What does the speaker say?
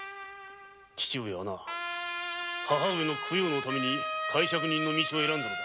父上はな母上の供養のために介錯人の道を選んだのだ。